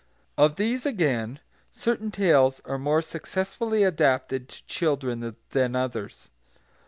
Of these, again, certain tales are more successfully adapted to children than others.